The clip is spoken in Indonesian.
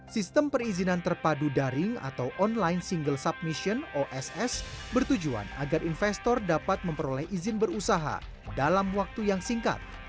sistem perizinan terpadu daring atau online single submission oss bertujuan agar investor dapat memperoleh izin berusaha dalam waktu yang singkat